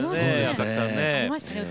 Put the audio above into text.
赤木さんね。